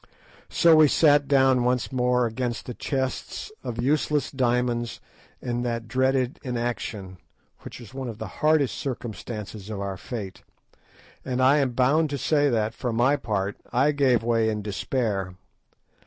So we sat down once more against the chests of useless diamonds in that dreadful inaction which was one of the hardest circumstances of our fate; and I am bound to say that, for my part, I gave way in despair.